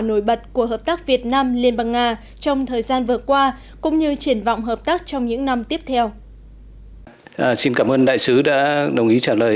nổi bật của hợp tác việt nam liên bang nga trong thời gian vừa qua cũng như triển vọng hợp tác trong